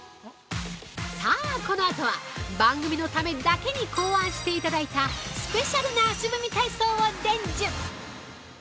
さあ、このあとは、番組のためだけに考案していただいたスペシャルな足踏み体操を伝授！